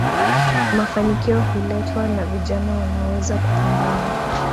mafanikio huletwa na vijana wanaoweza kupambana